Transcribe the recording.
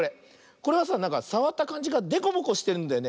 これはさなんかさわったかんじがでこぼこしてるんだよね。